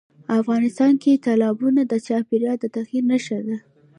افغانستان کې تالابونه د چاپېریال د تغیر نښه ده.